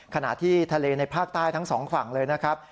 ขณะที่ทะเลในภาคใต้ทั้งสองฝั่งเลยนะครับ